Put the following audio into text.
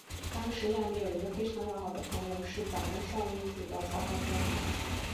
当时亚弥有一个非常要好的朋友是早安少女组的头号歌迷。